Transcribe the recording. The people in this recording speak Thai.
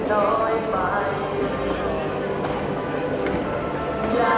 ขอบคุณทุกคนมากครับที่ทุกคนรัก